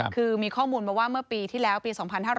คือมีข้อมูลมาว่าเมื่อปีที่แล้วปี๒๕๕๙